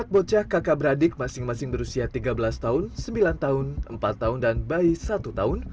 empat bocah kakak beradik masing masing berusia tiga belas tahun sembilan tahun empat tahun dan bayi satu tahun